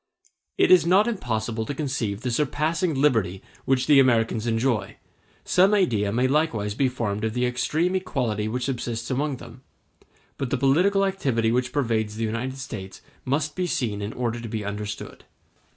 It is not impossible to conceive the surpassing liberty which the Americans enjoy; some idea may likewise be formed of the extreme equality which subsists amongst them, but the political activity which pervades the United States must be seen in order to be understood.